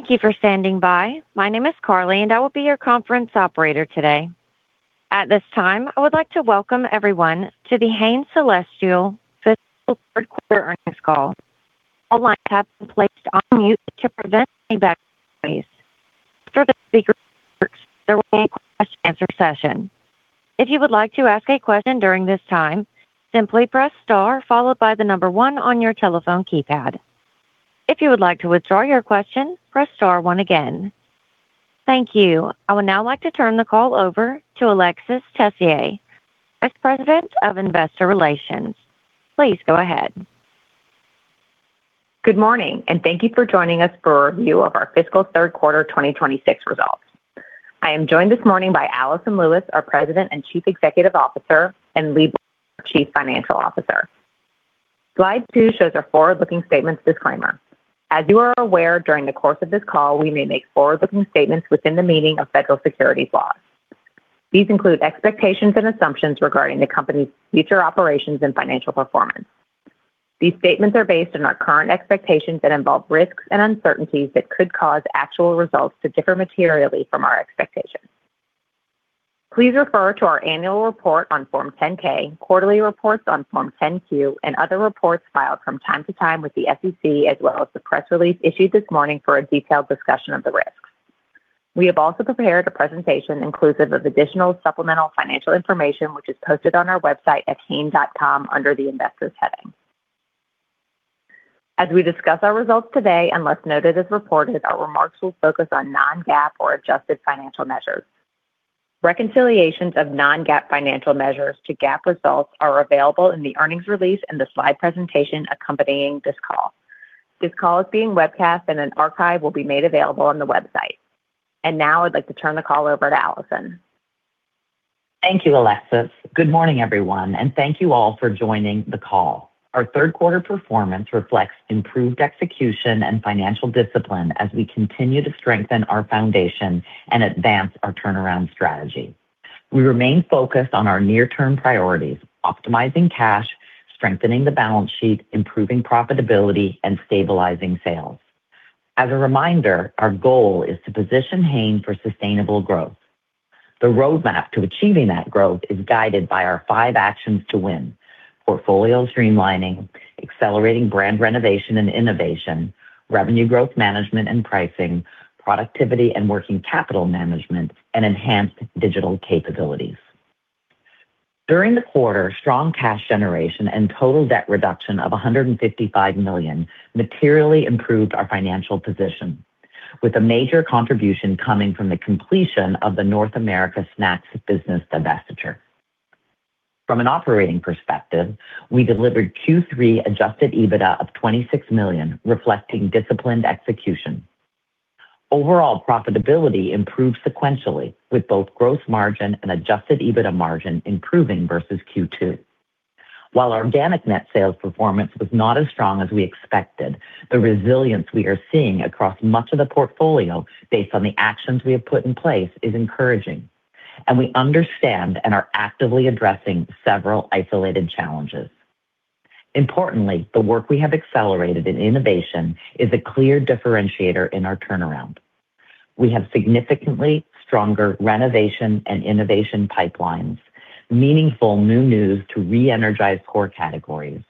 Thank you for standing by. My name is Carly, and I will be your conference operator today. At this time, I would like to welcome everyone to the Hain Celestial fiscal third quarter earnings call. All lines have been placed on mute to prevent any background noise. After the speaker there will be a question-and-answer session. If you would like to ask a question during this time, simply press star followed by the number one on your telephone keypad. If you would like to withdraw your question, press star one again. Thank you. I would now like to turn the call over to Alexis Tessier, Vice President of Investor Relations. Please go ahead. Good morning, thank you for joining us for a review of our fiscal third quarter 2026 results. I am joined this morning by Alison Lewis, our President and Chief Executive Officer, and Lee Boyce, our Chief Financial Officer. Slide two shows our forward-looking statements disclaimer. As you are aware, during the course of this call, we may make forward-looking statements within the meaning of federal securities laws. These include expectations and assumptions regarding the company's future operations and financial performance. These statements are based on our current expectations that involve risks and uncertainties that could cause actual results to differ materially from our expectations. Please refer to our annual report on Form 10-K, quarterly reports on Form 10-Q, and other reports filed from time to time with the SEC, as well as the press release issued this morning for a detailed discussion of the risks. We have also prepared a presentation inclusive of additional supplemental financial information, which is posted on our website at hain.com under the Investors heading. As we discuss our results today, unless noted as reported, our remarks will focus on non-GAAP or adjusted financial measures. Reconciliations of non-GAAP financial measures to GAAP results are available in the earnings release and the slide presentation accompanying this call. This call is being webcast and an archive will be made available on the website. Now I'd like to turn the call over to Alison. Thank you, Alexis. Good morning, everyone, and thank you all for joining the call. Our third quarter performance reflects improved execution and financial discipline as we continue to strengthen our foundation and advance our turnaround strategy. We remain focused on our near-term priorities: optimizing cash, strengthening the balance sheet, improving profitability, and stabilizing sales. As a reminder, our goal is to position Hain for sustainable growth. The roadmap to achieving that growth is guided by our 5 actions to win: portfolio streamlining, accelerating brand renovation and innovation, revenue growth management and pricing, productivity and working capital management, and enhanced digital capabilities. During the quarter, strong cash generation and total debt reduction of $155 million materially improved our financial position, with a major contribution coming from the completion of the North America Snacks business divestiture. From an operating perspective, we delivered Q3 adjusted EBITDA of $26 million, reflecting disciplined execution. Overall profitability improved sequentially with both gross margin and adjusted EBITDA margin improving versus Q2. While our organic net sales performance was not as strong as we expected, the resilience we are seeing across much of the portfolio based on the actions we have put in place is encouraging, and we understand and are actively addressing several isolated challenges. Importantly, the work we have accelerated in innovation is a clear differentiator in our turnaround. We have significantly stronger renovation and innovation pipelines, meaningful new news to re-energize core categories,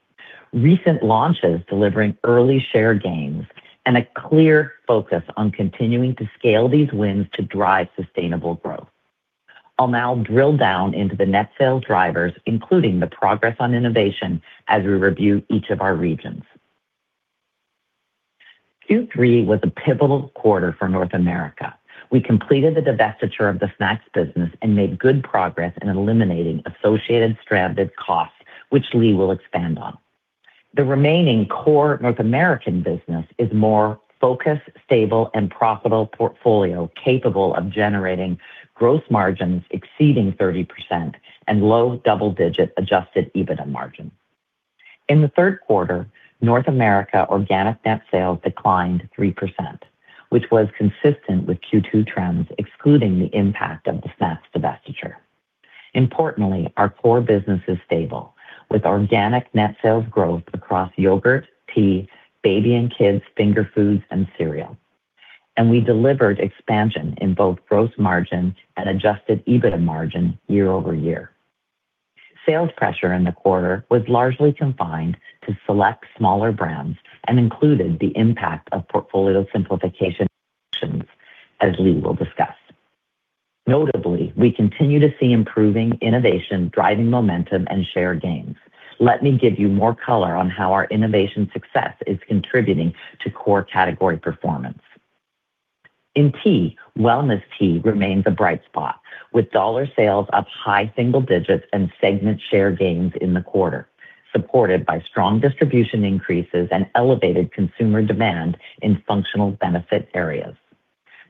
recent launches delivering early share gains, and a clear focus on continuing to scale these wins to drive sustainable growth. I'll now drill down into the net sales drivers, including the progress on innovation as we review each of our regions. Q3 was a pivotal quarter for North America. We completed the divestiture of the snacks business and made good progress in eliminating associated stranded costs, which Lee will expand on. The remaining core North American business is more focused, stable, and profitable portfolio capable of generating gross margins exceeding 30% and low double-digit adjusted EBITDA margin. In the third quarter, North America organic net sales declined 3%, which was consistent with Q2 trends, excluding the impact of the snacks divestiture. Importantly, our core business is stable with organic net sales growth across yogurt, tea, baby and kids, finger foods, and cereal. We delivered expansion in both gross margin and adjusted EBITDA margin year-over-year. Sales pressure in the quarter was largely confined to select smaller brands and included the impact of portfolio simplification actions, as Lee will discuss. Notably, we continue to see improving innovation, driving momentum and share gains. Let me give you more color on how our innovation success is contributing to core category performance. In tea, wellness tea remains a bright spot with dollar sales up high single digits and segment share gains in the quarter, supported by strong distribution increases and elevated consumer demand in functional benefit areas.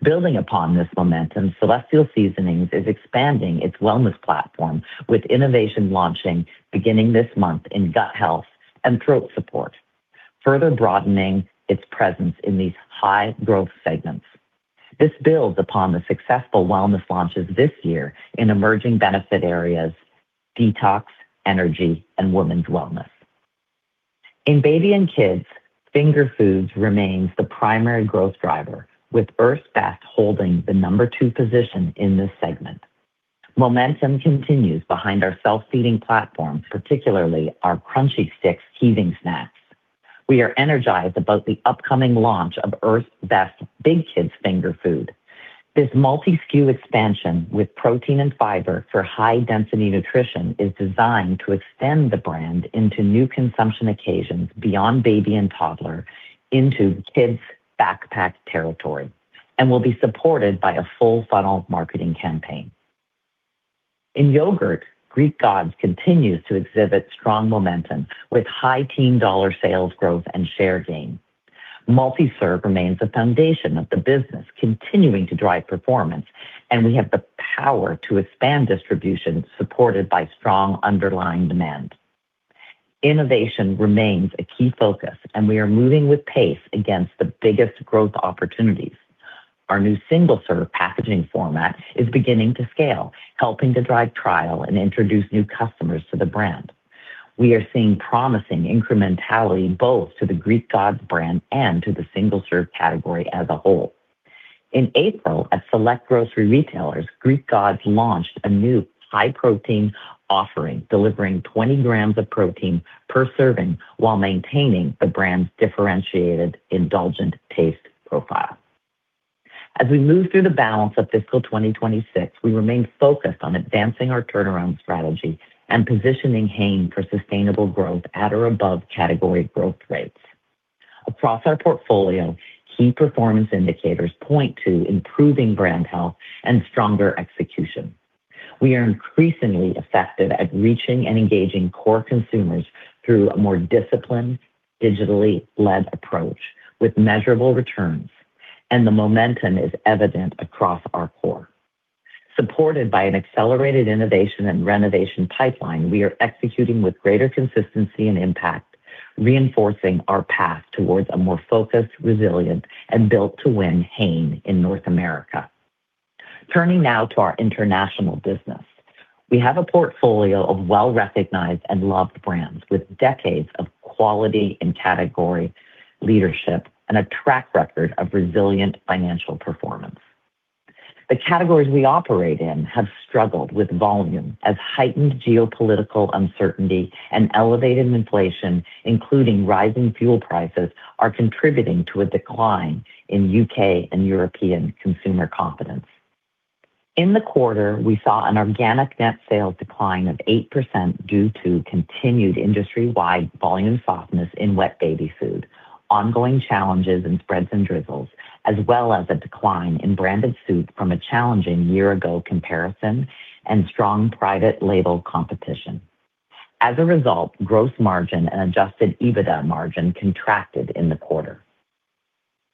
Building upon this momentum, Celestial Seasonings is expanding its wellness platform with innovation launching beginning this month in gut health and throat support, further broadening its presence in these high-growth segments. This builds upon the successful wellness launches this year in emerging benefit areas detox, energy, and women's wellness. In baby and kids, finger foods remains the primary growth driver, with Earth's Best holding the number two position in this segment. Momentum continues behind our self-feeding platform, particularly our Crunchy Sticks teething snacks. We are energized about the upcoming launch of Earth's Best Big Kids Finger Food. This multi-SKU expansion with protein and fiber for high-density nutrition is designed to extend the brand into new consumption occasions beyond baby and toddler into kids' backpack territory and will be supported by a full funnel marketing campaign. In yogurt, Greek Gods continues to exhibit strong momentum with high-teen dollar sales growth and share gain. Multi-serve remains the foundation of the business, continuing to drive performance, and we have the power to expand distribution supported by strong underlying demand. Innovation remains a key focus, and we are moving with pace against the biggest growth opportunities. Our new single-serve packaging format is beginning to scale, helping to drive trial and introduce new customers to the brand. We are seeing promising incrementality both to the Greek Gods brand and to the single-serve category as a whole. In April, at select grocery retailers, Greek Gods launched a new high-protein offering, delivering 20 grams of protein per serving while maintaining the brand's differentiated indulgent taste profile. As we move through the balance of fiscal 2026, we remain focused on advancing our turnaround strategy and positioning Hain for sustainable growth at or above category growth rates. Across our portfolio, key performance indicators point to improving brand health and stronger execution. We are increasingly effective at reaching and engaging core consumers through a more disciplined, digitally led approach with measurable returns, and the momentum is evident across our core. Supported by an accelerated innovation and renovation pipeline, we are executing with greater consistency and impact, reinforcing our path towards a more focused, resilient, and built-to-win Hain in North America. Turning now to our international business, we have a portfolio of well-recognized and loved brands with decades of quality and category leadership and a track record of resilient financial performance. The categories we operate in have struggled with volume as heightened geopolitical uncertainty and elevated inflation, including rising fuel prices, are contributing to a decline in U.K. and European consumer confidence. In the quarter, we saw an organic net sales decline of 8% due to continued industry-wide volume softness in wet baby food, ongoing challenges in spreads and drizzles, as well as a decline in branded soup from a challenging year-ago comparison and strong private label competition. As a result, gross margin and adjusted EBITDA margin contracted in the quarter.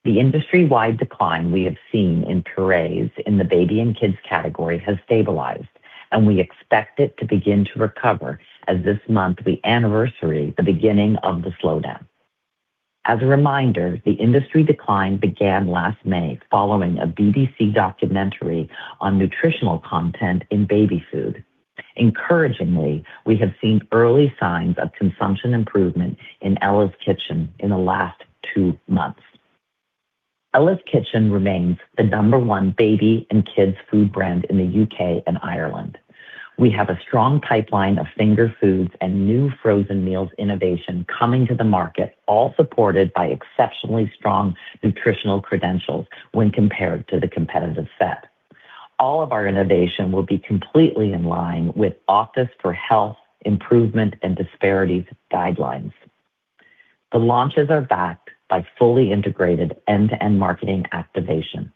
The industry-wide decline we have seen in purees in the baby and kids category has stabilized, and we expect it to begin to recover as this month we anniversary the beginning of the slowdown. As a reminder, the industry decline began last May following a BBC documentary on nutritional content in baby food. Encouragingly, we have seen early signs of consumption improvement in Ella's Kitchen in the last two months. Ella's Kitchen remains the number one baby and kids food brand in the U.K. and Ireland. We have a strong pipeline of finger foods and new frozen meals innovation coming to the market, all supported by exceptionally strong nutritional credentials when compared to the competitive set. All of our innovation will be completely in line with Office for Health Improvement and Disparities guidelines. The launches are backed by fully integrated end-to-end marketing activation.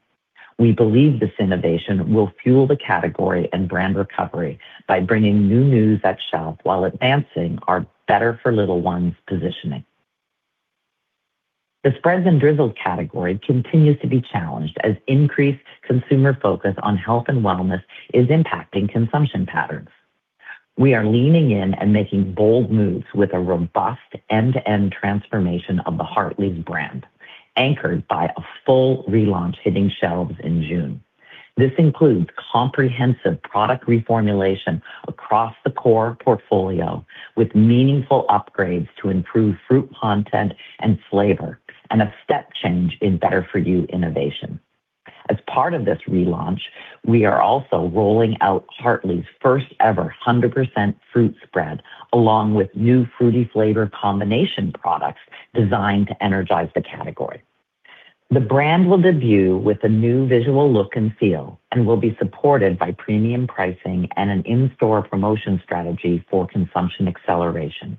We believe this innovation will fuel the category and brand recovery by bringing new news at shelf while advancing our Better for Little Ones positioning. The spreads and drizzles category continues to be challenged as increased consumer focus on health and wellness is impacting consumption patterns. We are leaning in and making bold moves with a robust end-to-end transformation of the Hartley's brand, anchored by a full relaunch hitting shelves in June. This includes comprehensive product reformulation across the core portfolio with meaningful upgrades to improve fruit content and flavor and a step change in better-for-you innovation. As part of this relaunch, we are also rolling out Hartley's first-ever 100% fruit spread along with new fruity flavor combination products designed to energize the category. The brand will debut with a new visual look and feel and will be supported by premium pricing and an in-store promotion strategy for consumption acceleration,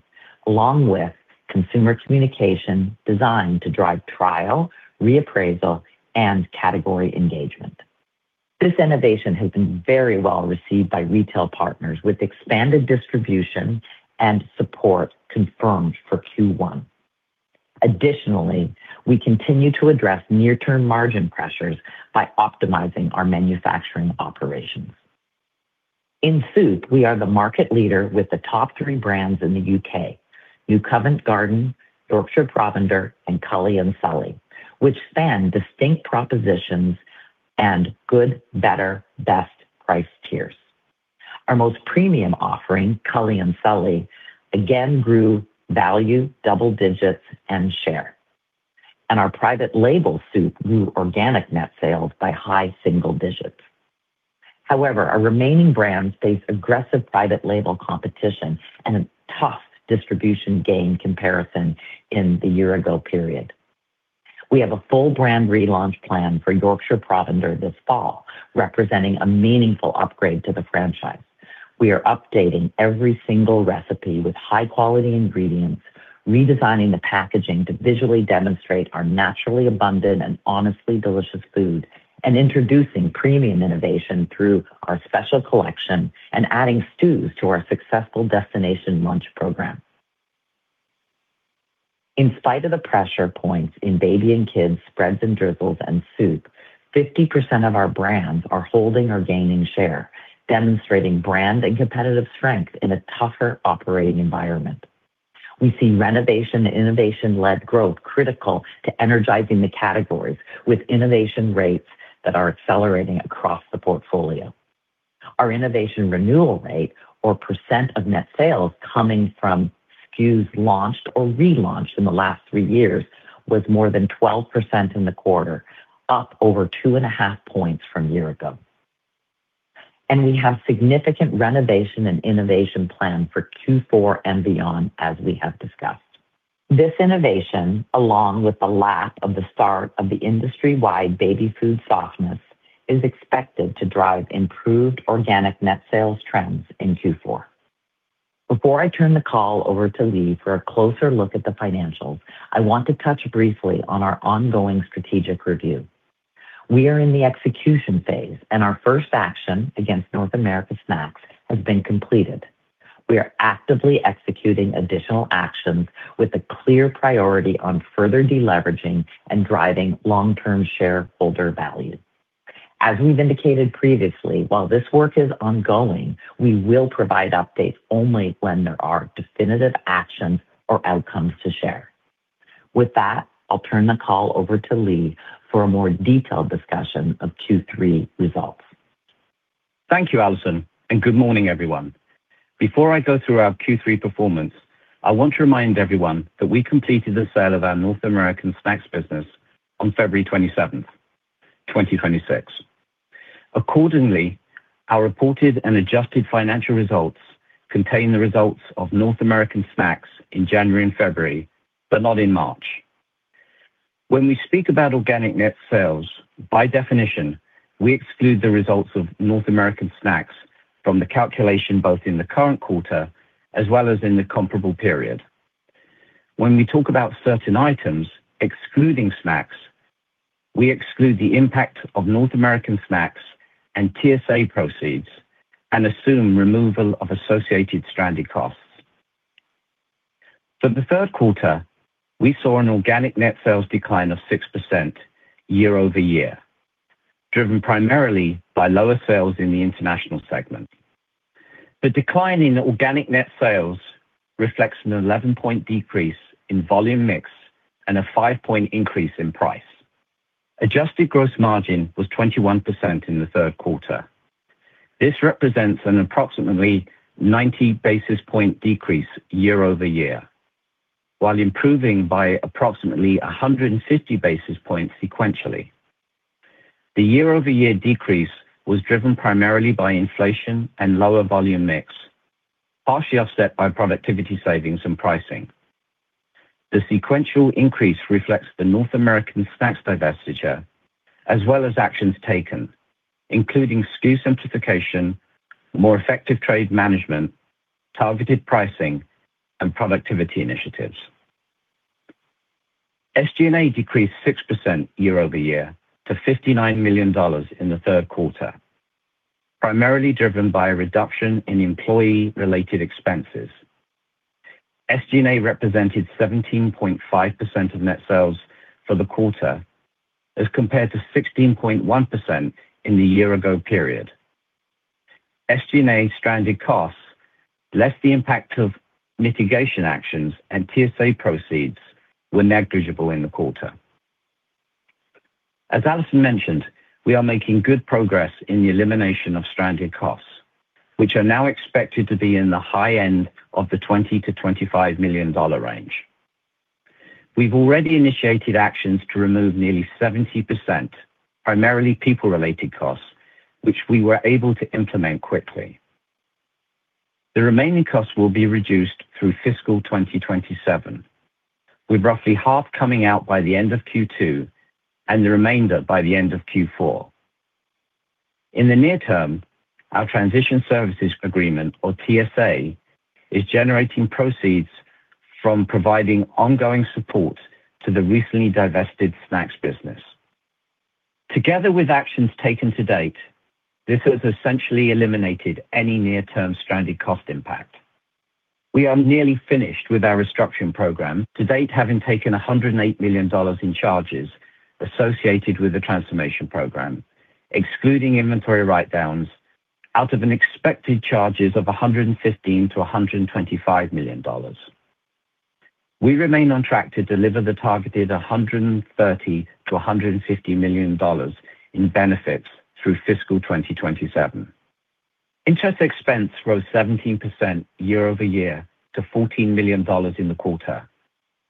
along with consumer communication designed to drive trial, reappraisal, and category engagement. This innovation has been very well received by retail partners with expanded distribution and support confirmed for Q1. Additionally, we continue to address near-term margin pressures by optimizing our manufacturing operations. In soup, we are the market leader with the top three brands in the U.K., New Covent Garden, Yorkshire Provender, and Cully & Sully, which span distinct propositions and good, better, best price tiers. Our most premium offering, Cully & Sully, again grew value double digits and share. Our private label soup grew organic net sales by high single digits. However, our remaining brands face aggressive private label competition and a tough distribution gain comparison in the year ago period. We have a full brand relaunch plan for Yorkshire Provender this fall, representing a meaningful upgrade to the franchise. We are updating every single recipe with high quality ingredients, redesigning the packaging to visually demonstrate our naturally abundant and honestly delicious food, and introducing premium innovation through our special collection and adding stews to our successful destination lunch program. In spite of the pressure points in baby and kids spreads and drizzles and soup, 50% of our brands are holding or gaining share, demonstrating brand and competitive strength in a tougher operating environment. We see renovation and innovation-led growth critical to energizing the categories with innovation rates that are accelerating across the portfolio. Our innovation renewal rate or percent of net sales coming from SKUs launched or relaunched in the last three years was more than 12% in the quarter, up over 2.5 points from a year ago. We have significant renovation and innovation planned for Q4 and beyond, as we have discussed. This innovation, along with the lap of the start of the industry-wide baby food softness, is expected to drive improved organic net sales trends in Q4. Before I turn the call over to Lee for a closer look at the financials, I want to touch briefly on our ongoing strategic review. We are in the execution phase, and our first action against North America Snacks has been completed. We are actively executing additional actions with a clear priority on further deleveraging and driving long-term shareholder value. As we've indicated previously, while this work is ongoing, we will provide updates only when there are definitive actions or outcomes to share. With that, I'll turn the call over to Lee for a more detailed discussion of Q3 results. Thank you, Alison, good morning, everyone. Before I go through our Q3 performance, I want to remind everyone that we completed the sale of our North American Snacks business on February 27, 2026. Accordingly, our reported and adjusted financial results contain the results of North American Snacks in January and February, but not in March. We speak about organic net sales, by definition, we exclude the results of North American Snacks from the calculation both in the current quarter as well as in the comparable period. We talk about certain items, excluding snacks, we exclude the impact of North American Snacks and TSA proceeds and assume removal of associated stranded costs. For the third quarter, we saw an organic net sales decline of 6% year-over-year, driven primarily by lower sales in the international segment. The decline in organic net sales reflects an 11-point decrease in volume mix and a 5-point increase in price. Adjusted gross margin was 21% in the third quarter. This represents an approximately 90 basis point decrease year-over-year, while improving by approximately 150 basis points sequentially. The year-over-year decrease was driven primarily by inflation and lower volume mix, partially offset by productivity savings and pricing. The sequential increase reflects the North American Snacks divestiture, as well as actions taken, including SKU simplification, more effective trade management, targeted pricing, and productivity initiatives. SG&A decreased 6% year-over-year to $59 million in the third quarter, primarily driven by a reduction in employee-related expenses. SG&A represented 17.5% of net sales for the quarter as compared to 16.1% in the year-ago period. SG&A stranded costs, less the impact of mitigation actions and TSA proceeds, were negligible in the quarter. As Alison mentioned, we are making good progress in the elimination of stranded costs, which are now expected to be in the high end of the $20 million-$25 million range. We've already initiated actions to remove nearly 70%, primarily people-related costs, which we were able to implement quickly. The remaining costs will be reduced through fiscal 2027, with roughly half coming out by the end of Q2 and the remainder by the end of Q4. In the near term, our transition services agreement, or TSA, is generating proceeds from providing ongoing support to the recently divested snacks business. Together with actions taken to date, this has essentially eliminated any near-term stranded cost impact. We are nearly finished with our restructuring program, to date having taken $108 million in charges associated with the transformation program, excluding inventory write-downs, out of an expected charges of $115 million-$125 million. We remain on track to deliver the targeted $130 million-$150 million in benefits through fiscal 2027. Interest expense rose 17% year-over-year to $14 million in the quarter,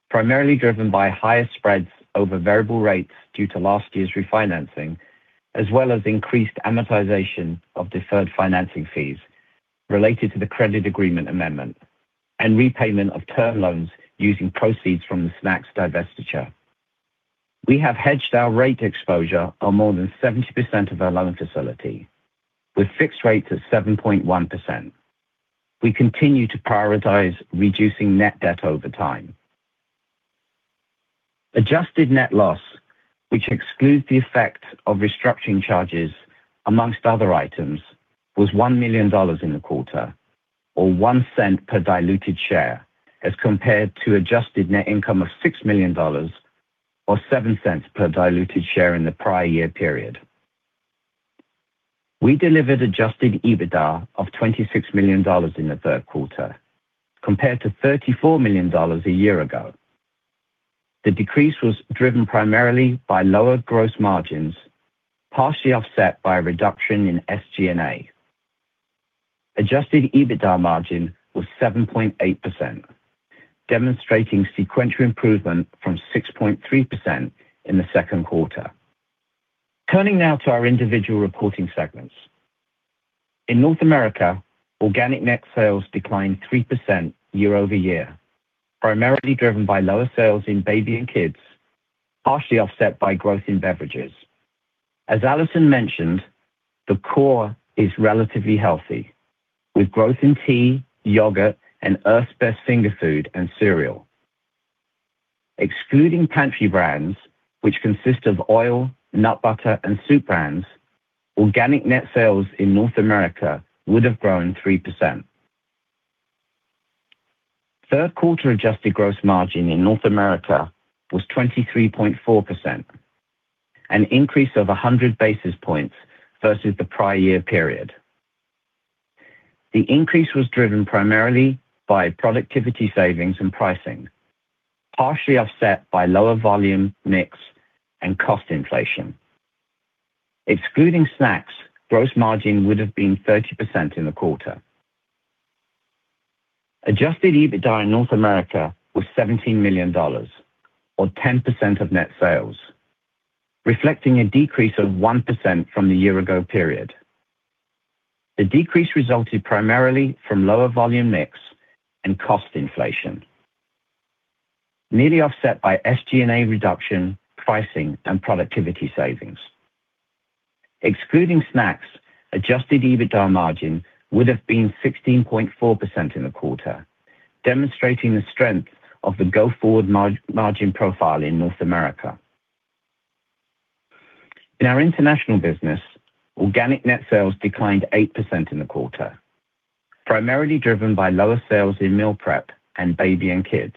primarily driven by higher spreads over variable rates due to last year's refinancing, as well as increased amortization of deferred financing fees related to the credit agreement amendment and repayment of term loans using proceeds from the snacks divestiture. We have hedged our rate exposure on more than 70% of our loan facility with fixed rates of 7.1%. We continue to prioritize reducing net debt over time. Adjusted net loss, which excludes the effect of restructuring charges among other items, was $1 million in the quarter or $0.01 per diluted share as compared to adjusted net income of $6 million or $0.07 per diluted share in the prior year period. We delivered adjusted EBITDA of $26 million in the third quarter compared to $34 million a year ago. The decrease was driven primarily by lower gross margins, partially offset by a reduction in SG&A. Adjusted EBITDA margin was 7.8%, demonstrating sequential improvement from 6.3% in the second quarter. Turning now to our individual reporting segments. In North America, organic net sales declined 3% year-over-year, primarily driven by lower sales in baby and kids, partially offset by growth in beverages. As Alison mentioned, the core is relatively healthy with growth in tea, yogurt, and Earth's Best finger food and cereal. Excluding pantry brands which consist of oil, nut butter, and soup brands, organic net sales in North America would have grown 3%. Third quarter adjusted gross margin in North America was 23.4%, an increase of 100 basis points versus the prior year period. The increase was driven primarily by productivity savings and pricing, partially offset by lower volume mix and cost inflation. Excluding snacks, gross margin would have been 30% in the quarter. Adjusted EBITDA in North America was $17 million or 10% of net sales, reflecting a decrease of 1% from the year ago period. The decrease resulted primarily from lower volume mix and cost inflation, nearly offset by SG&A reduction, pricing, and productivity savings. Excluding snacks, adjusted EBITDA margin would have been 16.4% in the quarter, demonstrating the strength of the go-forward margin profile in North America. In our international business, organic net sales declined 8% in the quarter, primarily driven by lower sales in meal prep and baby and kids.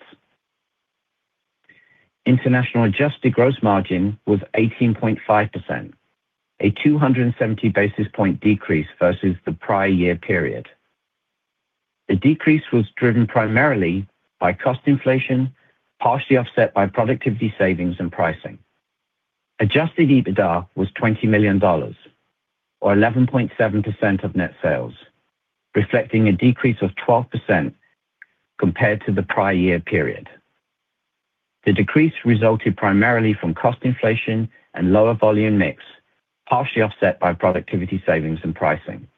International adjusted gross margin was 18.5%, a 270 basis point decrease versus the prior year period. The decrease was driven primarily by cost inflation, partially offset by productivity savings and pricing. Adjusted EBITDA was $20 million or 11.7% of net sales, reflecting a decrease of 12% compared to the prior year period. The decrease resulted primarily from cost inflation and lower volume mix, partially offset by productivity savings and pricing.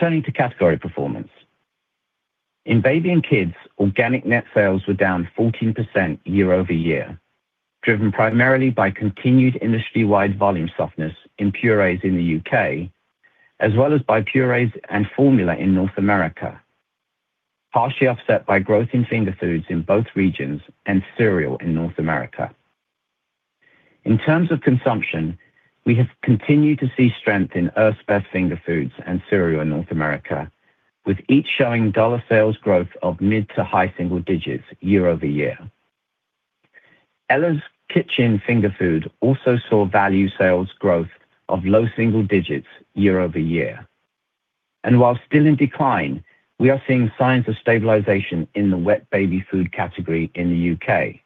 Turning to category performance. In baby and kids, organic net sales were down 14% year-over-year, driven primarily by continued industry-wide volume softness in purees in the U.K., as well as by purees and formula in North America, partially offset by growth in finger foods in both regions and cereal in North America. In terms of consumption, we have continued to see strength in Earth's Best finger foods and cereal in North America, with each showing dollar sales growth of mid- to high single digits year-over-year. Ella's Kitchen finger food also saw value sales growth of low single digits year-over-year. While still in decline, we are seeing signs of stabilization in the wet baby food category in the U.K.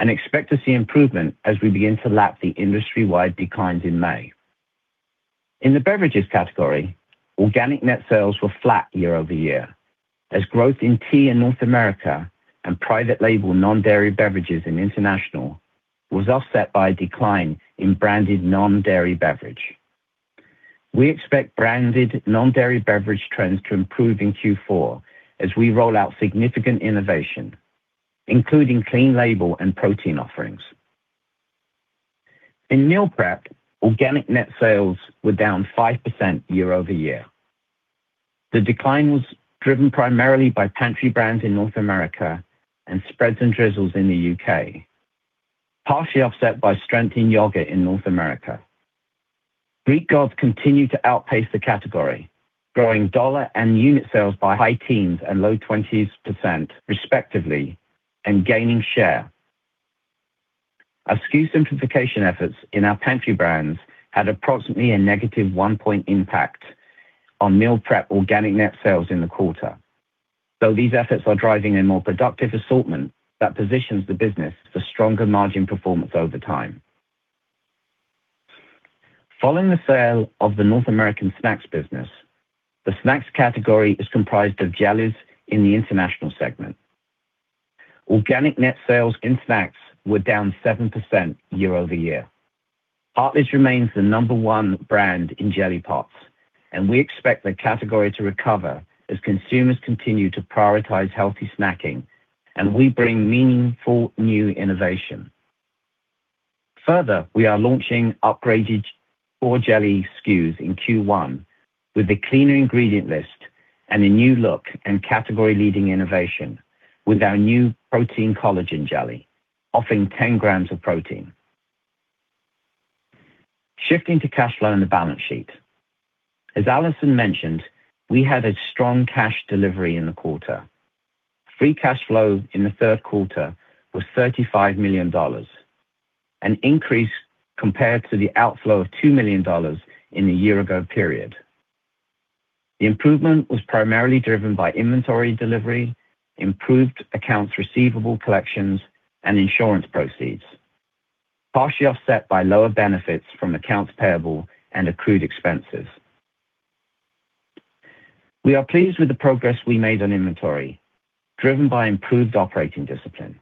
and expect to see improvement as we begin to lap the industry-wide declines in May. In the beverages category, organic net sales were flat year-over-year as growth in tea in North America and private label non-dairy beverages in international was offset by a decline in branded non-dairy beverage. We expect branded non-dairy beverage trends to improve in Q4 as we roll out significant innovation, including clean label and protein offerings. In meal prep, organic net sales were down 5% year-over-year. The decline was driven primarily by pantry brands in North America and spreads and drizzles in the U.K., partially offset by strength in yogurt in North America. Greek Gods continue to outpace the category, growing dollar and unit sales by high teens and low 20s% respectively, and gaining share. Our SKU simplification efforts in our pantry brands had approximately a -1 point impact on meal prep organic net sales in the quarter. Though these efforts are driving a more productive assortment that positions the business for stronger margin performance over time. Following the sale of the North American Snacks business, the snacks category is comprised of jellies in the international segment. Organic net sales in snacks were down 7% year-over-year. Hartley's remains the number one brand in jelly pots, and we expect the category to recover as consumers continue to prioritize healthy snacking and we bring meaningful new innovation. Further, we are launching upgraded core jelly SKUs in Q1 with a cleaner ingredient list and a new look and category-leading innovation with our new protein collagen jelly, offering 10 grams of protein. Shifting to cash flow and balance sheet. As Alison mentioned, we had a strong cash delivery in the quarter. Free cash flow in the third quarter was $35 million, an increase compared to the outflow of $2 million in the year ago period. The improvement was primarily driven by inventory delivery, improved accounts receivable collections, and insurance proceeds, partially offset by lower benefits from accounts payable and accrued expenses. We are pleased with the progress we made on inventory, driven by improved operating discipline.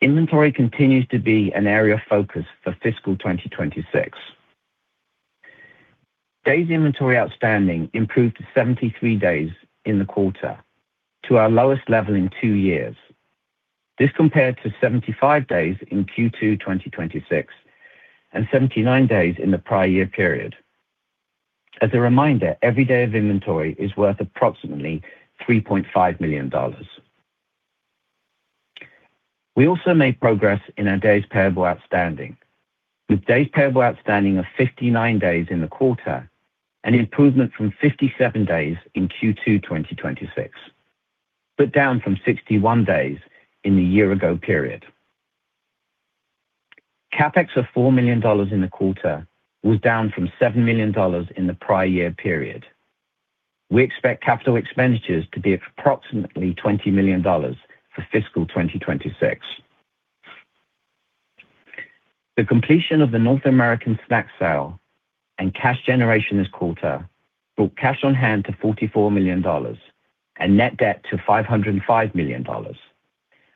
Inventory continues to be an area of focus for fiscal 2026. Days inventory outstanding improved to 73 days in the quarter to our lowest level in two years. This compared to 75 days in Q2 2026 and 79 days in the prior year period. As a reminder, every day of inventory is worth approximately $3.5 million. We also made progress in our days payable outstanding. With days payable outstanding of 59 days in the quarter, an improvement from 57 days in Q2 2026, down from 61 days in the year ago period. CapEx of $4 million in the quarter was down from $7 million in the prior year period. We expect capital expenditures to be approximately $20 million for fiscal 2026. The completion of the North American Snacks sale and cash generation this quarter brought cash on hand to $44 million and net debt to $505 million,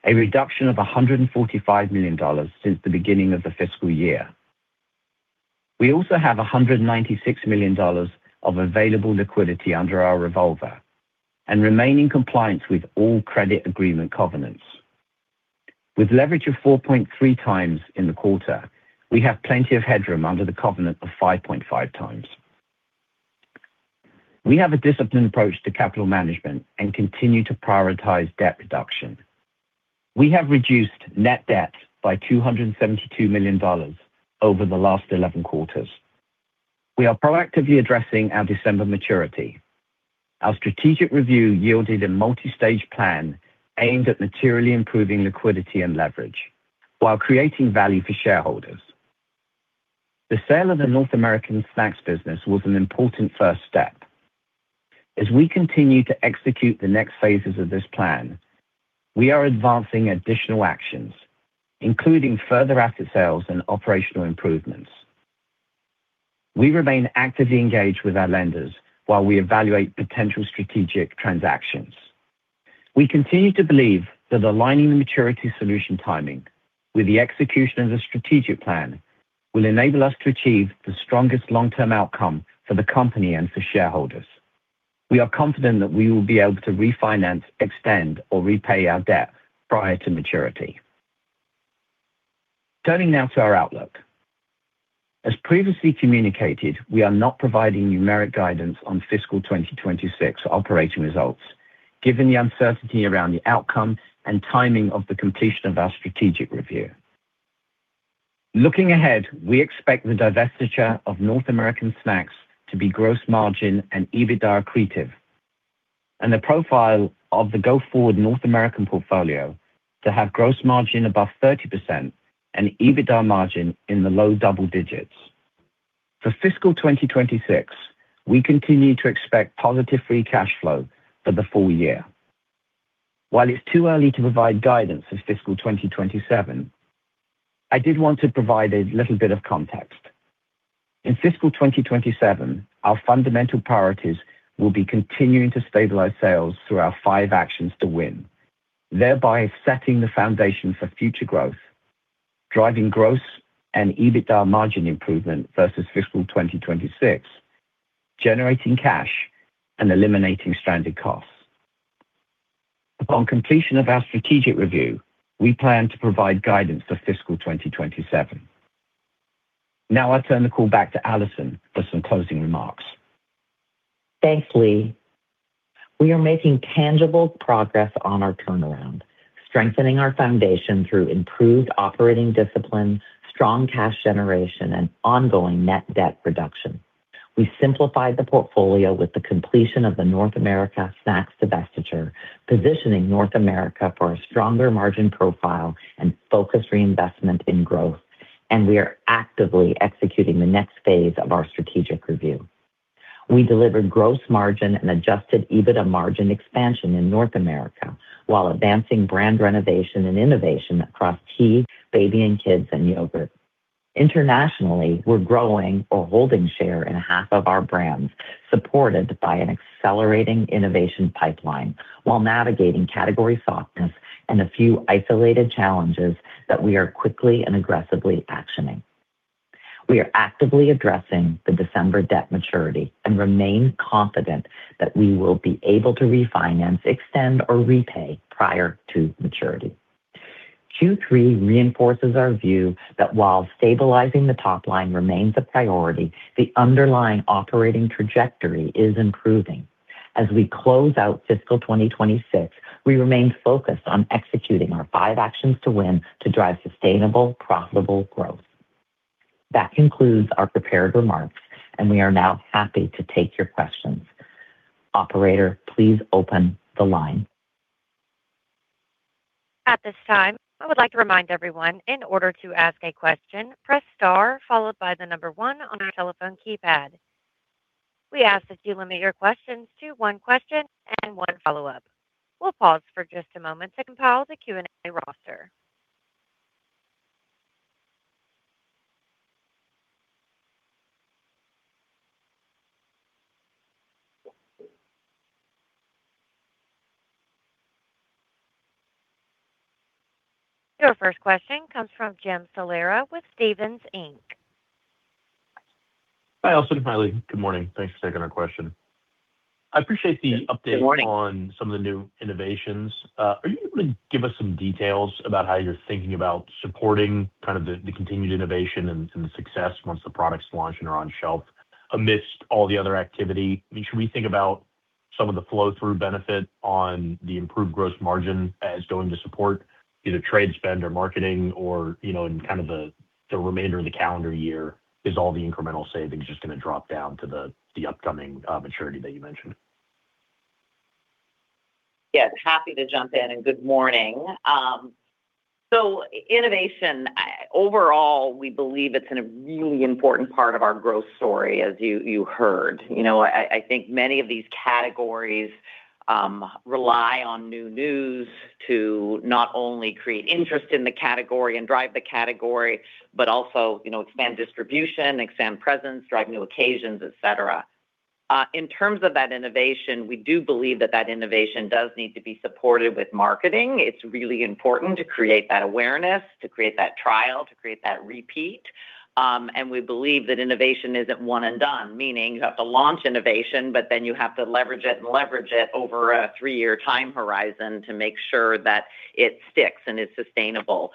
a reduction of $145 million since the beginning of the fiscal year. We also have $196 million of available liquidity under our revolver and remain in compliance with all credit agreement covenants. With leverage of 4.3 times in the quarter, we have plenty of headroom under the covenant of 5.5 times. We have a disciplined approach to capital management and continue to prioritize debt reduction. We have reduced net debt by $272 million over the last 11 quarters. We are proactively addressing our December maturity. Our strategic review yielded a multi-stage plan aimed at materially improving liquidity and leverage while creating value for shareholders. The sale of the North American Snacks business was an important first step. As we continue to execute the next phases of this plan, we are advancing additional actions, including further asset sales and operational improvements. We remain actively engaged with our lenders while we evaluate potential strategic transactions. We continue to believe that aligning the maturity solution timing with the execution of the strategic plan will enable us to achieve the strongest long-term outcome for the company and for shareholders. We are confident that we will be able to refinance, extend, or repay our debt prior to maturity. Turning now to our outlook. As previously communicated, we are not providing numeric guidance on fiscal 2026 operating results given the uncertainty around the outcome and timing of the completion of our strategic review. Looking ahead, we expect the divestiture of North American Snacks to be gross margin and EBITDA accretive, and the profile of the go-forward North American portfolio to have gross margin above 30% and EBITDA margin in the low double digits. For fiscal 2026, we continue to expect positive free cash flow for the full year. While it's too early to provide guidance for fiscal 2027, I did want to provide a little bit of context. In fiscal 2027, our fundamental priorities will be continuing to stabilize sales through our 5 actions to win, thereby setting the foundation for future growth, driving gross and EBITDA margin improvement versus fiscal 2026, generating cash and eliminating stranded costs. Upon completion of our strategic review, we plan to provide guidance for fiscal 2027. I turn the call back to Alison for some closing remarks. Thanks, Lee. We are making tangible progress on our turnaround, strengthening our foundation through improved operating discipline, strong cash generation, and ongoing net debt reduction. We simplified the portfolio with the completion of the North America Snacks divestiture, positioning North America for a stronger margin profile and focused reinvestment in growth. We are actively executing the next phase of our strategic review. We delivered gross margin and adjusted EBITDA margin expansion in North America while advancing brand renovation and innovation across tea, baby and kids, and yogurt. Internationally, we're growing or holding share in half of our brands, supported by an accelerating innovation pipeline while navigating category softness and a few isolated challenges that we are quickly and aggressively actioning. We are actively addressing the December debt maturity and remain confident that we will be able to refinance, extend, or repay prior to maturity. Q3 reinforces our view that while stabilizing the top line remains a priority, the underlying operating trajectory is improving. As we close out fiscal 2026, we remain focused on executing our 5 actions to win to drive sustainable, profitable growth. That concludes our prepared remarks. We are now happy to take your questions. Operator, please open the line. At this time, I would like to remind everyone in order to ask a question, press star followed by the number one on your telephone keypad. We ask that you limit your questions to one question and one follow-up. We'll pause for just a moment to compile the Q&A roster. Your first question comes from Jim Salera with Stephens Inc. Hi, Alison. Hi, Lee. Good morning. Thanks for taking our question. I appreciate the update. Good morning. on some of the new innovations, are you able to give us some details about how you're thinking about supporting kind of the continued innovation and the success once the products launch and are on shelf amidst all the other activity? I mean, should we think about some of the flow through benefit on the improved gross margin as going to support either trade spend or marketing or, you know, in kind of the remainder of the calendar year? Is all the incremental savings just gonna drop down to the upcoming maturity that you mentioned? Yeah. Happy to jump in, and good morning. Innovation, overall, we believe it's a really important part of our growth story, as you heard. You know, I think many of these categories rely on new news to not only create interest in the category and drive the category, but also, you know, expand distribution, expand presence, drive new occasions, et cetera. In terms of that innovation, we do believe that that innovation does need to be supported with marketing. It's really important to create that awareness, to create that trial, to create that repeat. We believe that innovation isn't one and done, meaning you have to launch innovation, but then you have to leverage it and leverage it over a three-year time horizon to make sure that it sticks and is sustainable.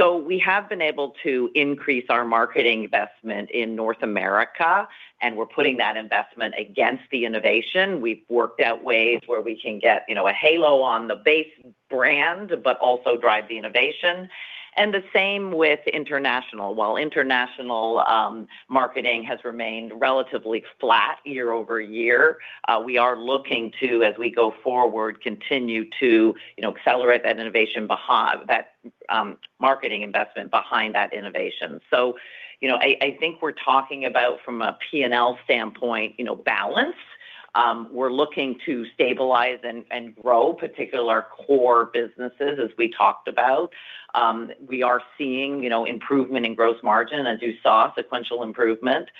We have been able to increase our marketing investment in North America, and we're putting that investment against the innovation. We've worked out ways where we can get, you know, a halo on the base brand but also drive the innovation. The same with international. While international marketing has remained relatively flat year-over-year, we are looking to, as we go forward, continue to, you know, accelerate that innovation, that marketing investment behind that innovation. You know, I think we're talking about from a P&L standpoint, you know, balance. We're looking to stabilize and grow particular core businesses, as we talked about. We are seeing, you know, improvement in gross margin, as you saw, sequential improvement.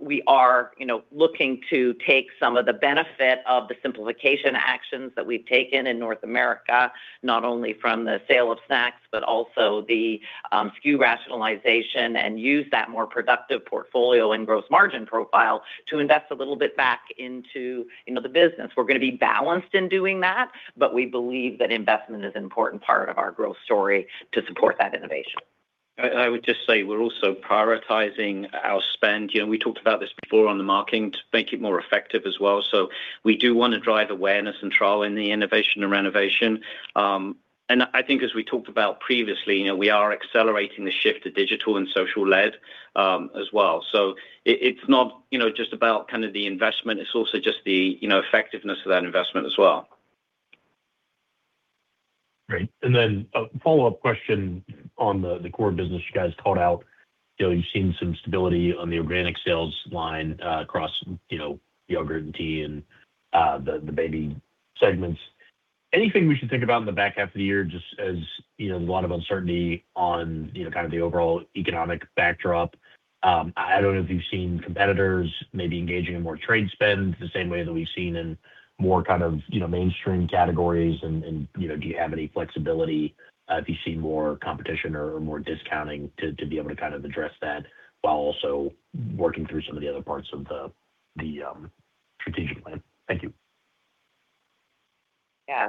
We are, you know, looking to take some of the benefit of the simplification actions that we've taken in North America, not only from the sale of snacks, but also the SKU rationalization and use that more productive portfolio and gross margin profile to invest a little bit back into, you know, the business. We're gonna be balanced in doing that, but we believe that investment is an important part of our growth story to support that innovation. I would just say we're also prioritizing our spend. You know, we talked about this before on the marketing to make it more effective as well. We do wanna drive awareness and trial in the innovation and renovation. I think as we talked about previously, you know, we are accelerating the shift to digital and social led as well. It's not, you know, just about kind of the investment, it's also just the, you know, effectiveness of that investment as well. A follow-up question on the core business you guys called out. You've seen some stability on the organic sales line across yogurt and tea and the baby segments. Anything we should think about in the back half of the year, just as there's a lot of uncertainty on kind of the overall economic backdrop? I don't know if you've seen competitors maybe engaging in more trade spend the same way that we've seen in more kind of mainstream categories and do you have any flexibility? Have you seen more competition or more discounting to be able to kind of address that while also working through some of the other parts of the strategic plan? Thank you.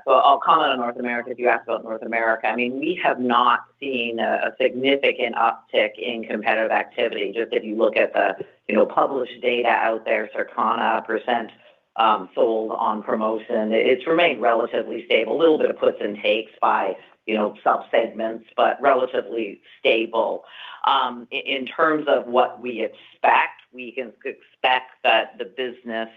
I'll comment on North America, if you ask about North America. I mean, we have not seen a significant uptick in competitive activity. Just if you look at the, you know, published data out there, Circana %, sold on promotion, it's remained relatively stable. A little bit of puts and takes by, you know, sub-segments, relatively stable. In terms of what we expect, we can expect that the business,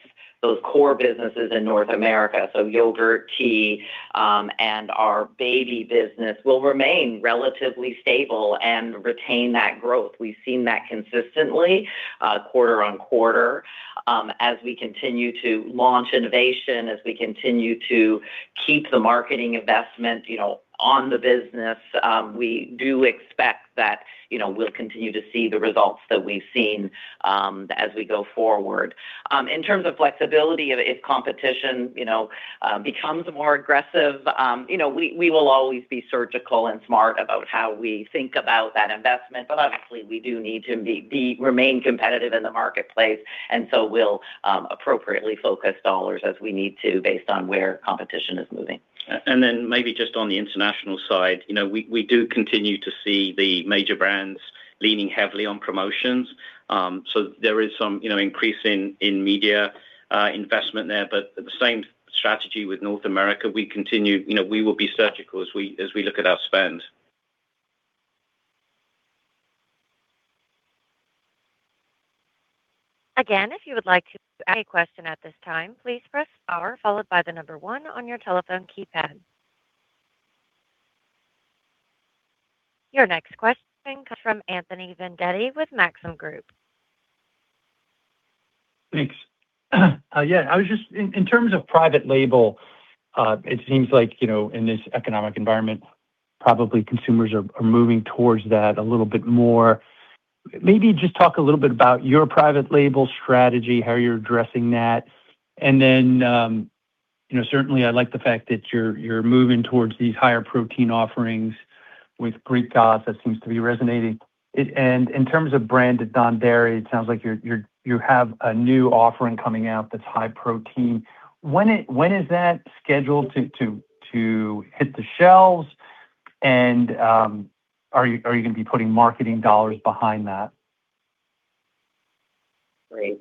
those core businesses in North America, so yogurt, tea, and our baby business, will remain relatively stable and retain that growth. We've seen that consistently, quarter-on-quarter. As we continue to launch innovation, as we continue to keep the marketing investment, you know, on the business, we do expect that, you know, we'll continue to see the results that we've seen, as we go forward. In terms of flexibility, if competition, you know, becomes more aggressive, you know, we will always be surgical and smart about how we think about that investment. Obviously, we do need to remain competitive in the marketplace. We'll appropriately focus dollars as we need to based on where competition is moving. Then maybe just on the international side, you know, we do continue to see the major brands leaning heavily on promotions. There is some, you know, increase in media investment there. The same strategy with North America, we continue, you know, we will be surgical as we look at our spend. Your next question comes from Anthony Vendetti with Maxim Group. Thanks. Yeah, I was just in terms of private label, it seems like, you know, in this economic environment, probably consumers are moving towards that a little bit more. Maybe just talk a little bit about your private label strategy, how you're addressing that. You know, certainly I like the fact that you're moving towards these higher protein offerings with Greek Gods. That seems to be resonating. In terms of branded non-dairy, it sounds like you have a new offering coming out that's high protein. When is that scheduled to hit the shelves? Are you gonna be putting marketing dollars behind that? Great.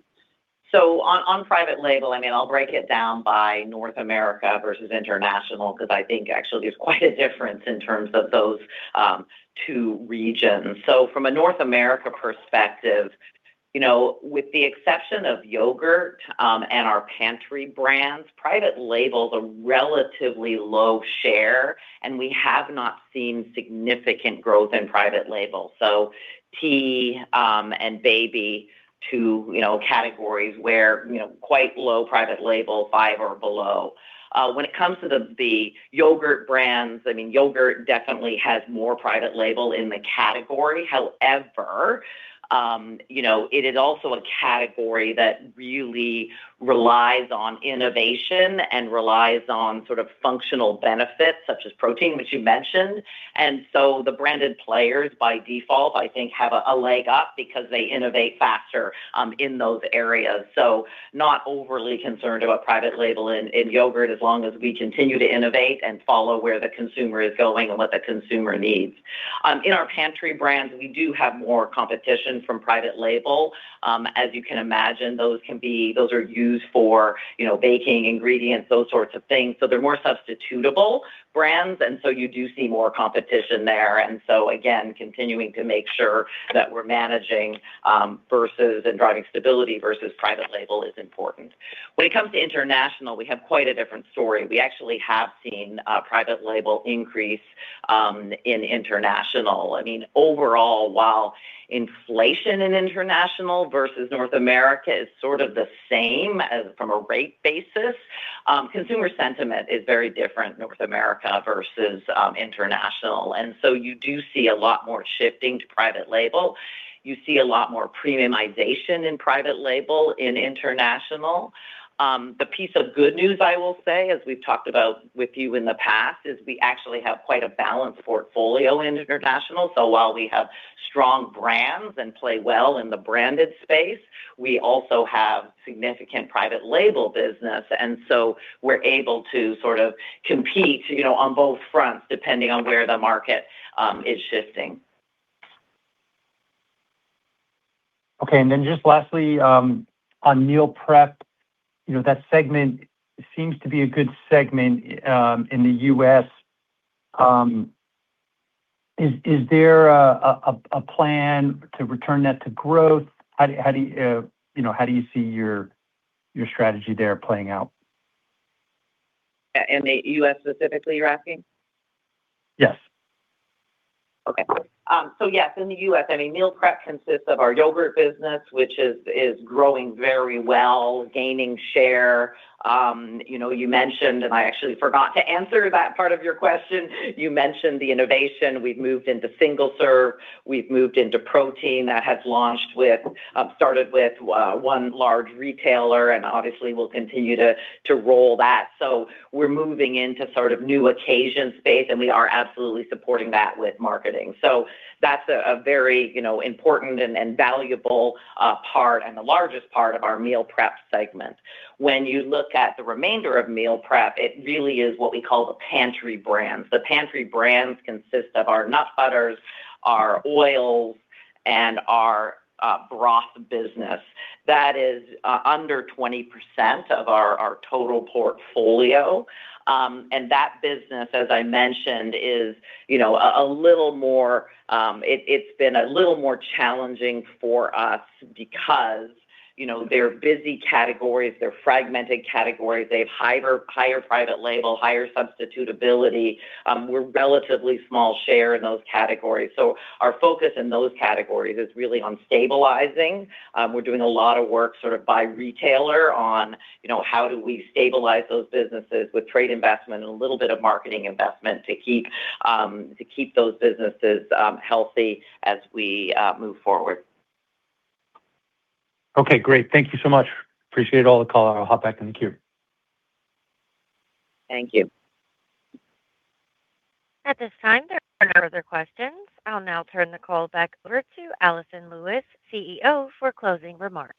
On private label, I mean, I'll break it down by North America versus international, because I think actually there's quite a difference in terms of those two regions. From a North America perspective, you know, with the exception of yogurt, and our pantry brands, private labels are relatively low share, and we have not seen significant growth in private label. Tea, and baby, you know, categories where, you know, quite low private label, 5 or below. When it comes to the yogurt brands, I mean, yogurt definitely has more private label in the category. However, you know, it is also a category that really relies on innovation and relies on sort of functional benefits such as protein, which you mentioned. The branded players, by default, I think, have a leg up because they innovate faster in those areas. Not overly concerned about private label in yogurt as long as we continue to innovate and follow where the consumer is going and what the consumer needs. In our pantry brands, we do have more competition from private label. As you can imagine, those are used for, you know, baking ingredients, those sorts of things. They're more substitutable brands, you do see more competition there. Again, continuing to make sure that we're managing versus and driving stability versus private label is important. When it comes to international, we have quite a different story. We actually have seen private label increase in international. I mean, overall, while inflation in international versus North America is sort of the same as from a rate basis, consumer sentiment is very different North America versus international. You do see a lot more shifting to private label. You see a lot more premiumization in private label in international. The piece of good news, I will say, as we've talked about with you in the past, is we actually have quite a balanced portfolio in international. While we have strong brands and play well in the branded space, we also have significant private label business, and so we're able to sort of compete, you know, on both fronts depending on where the market is shifting. Okay. Just lastly, on meal prep, you know, that segment seems to be a good segment, in the U.S. Is there a plan to return that to growth? How do, you know, how do you see your strategy there playing out? In the U.S. specifically, you're asking? Yes. Okay. Yes, in the U.S., I mean meal prep consists of our yogurt business, which is growing very well, gaining share. You know, you mentioned, I actually forgot to answer that part of your question. You mentioned the innovation. We've moved into single serve. We've moved into protein that has launched with, started with one large retailer, obviously we'll continue to roll that. We're moving into sort of new occasion space, we are absolutely supporting that with marketing. That's a very, you know, important and valuable part and the largest part of our meal prep segment. When you look at the remainder of meal prep, it really is what we call the pantry brands. The pantry brands consist of our nut butters, our oils, and our broth business that is under 20% of our total portfolio. That business, as I mentioned, is, you know, a little more, it's been a little more challenging for us because, you know, they're busy categories, they're fragmented categories. They have higher private label, higher substitutability. We're relatively small share in those categories. Our focus in those categories is really on stabilizing. We're doing a lot of work sort of by retailer on, you know, how do we stabilize those businesses with trade investment and a little bit of marketing investment to keep those businesses healthy as we move forward. Okay. Great. Thank you so much. Appreciate all the call. I'll hop back in the queue. Thank you. At this time, there are no other questions. I'll now turn the call back over to Alison Lewis, CEO, for closing remarks.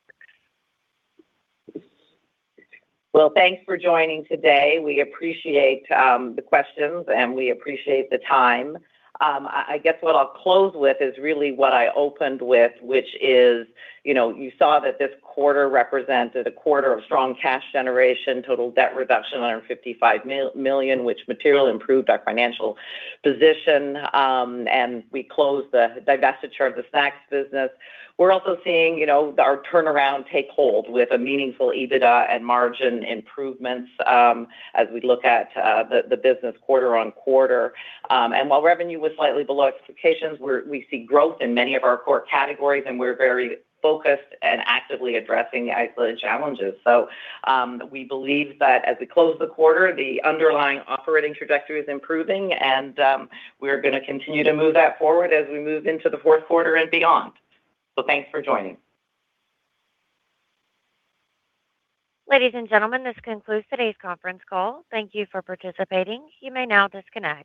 Well, thanks for joining today. We appreciate the questions, and we appreciate the time. I guess what I'll close with is really what I opened with, which is, you know, you saw that this quarter represented a quarter of strong cash generation, total debt reduction, $155 million, which materially improved our financial position. We closed the divestiture of the snacks business. We're also seeing, you know, our turnaround take hold with a meaningful EBITDA and margin improvements as we look at the business quarter-on-quarter. While revenue was slightly below expectations, we see growth in many of our core categories, and we're very focused and actively addressing the isolated challenges. We believe that as we close the quarter, the underlying operating trajectory is improving, and, we're gonna continue to move that forward as we move into the fourth quarter and beyond. Thanks for joining. Ladies and gentlemen, this concludes today's conference call. Thank you for participating. You may now disconnect.